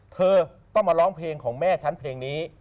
เธอต้องมาร้องเพลงของแม่ฉันเพลงนี้